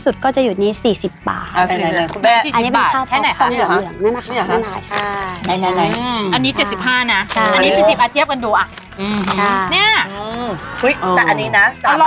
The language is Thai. อื้มฮืมนี่หูยอร่อยแต่อันนี้นะ